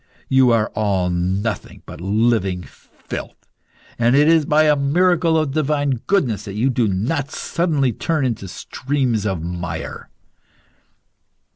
You are all nothing but living filth, and it is by a miracle of divine goodness that you do not suddenly turn into streams of mire."